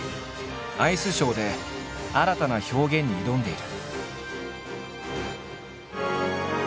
アイスショーで新たな表現に挑んでいる。